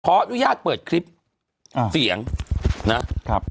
ขออนุญาตเปิดคลิปอ่าเสียงนะครับ